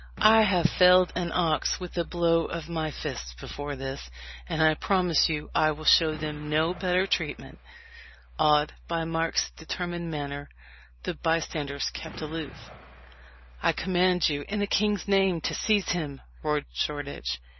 "I have felled an ox with a blow of my fist before this, and I promise you I will show them no better treatment." Awed by Mark's determined manner, the bystanders kept aloof. "I command you, in the king's name, to seize him!" roared Shoreditch.